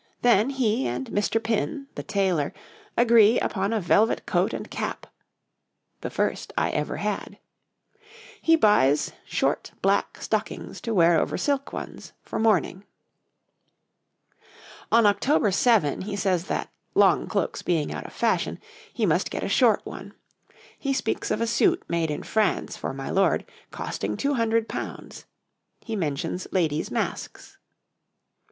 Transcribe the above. Then he and Mr. Pin, the tailor, agree upon a velvet coat and cap ('the first I ever had'). He buys short black stockings to wear over silk ones for mourning. [Illustration: {Two women of the time of Charles II.}] On October 7 he says that, long cloaks being out of fashion, he must get a short one. He speaks of a suit made in France for My Lord costing £200. He mentions ladies' masks.